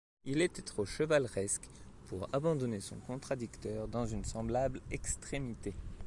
Il était trop chevaleresque pour abandonner son contradicteur dans une semblable extrémité.